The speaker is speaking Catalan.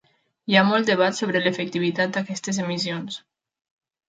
Hi ha molt debat sobre l'efectivitat d'aquestes emissions.